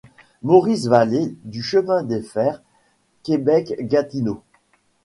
Maurice Valley du Chemins de fer Québec-Gatineau.